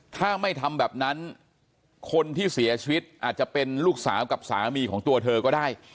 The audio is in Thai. ถ้าไม่ทำแบบนั้นคนที่เสียชีวิตอาจจะเป็นลูกสาวกับสามีของตัวเธอก็ได้